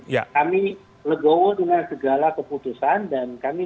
dan kami legowo dengan segala keputusan dan kami